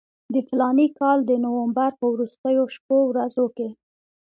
د فلاني کال د نومبر په وروستیو شپو ورځو کې.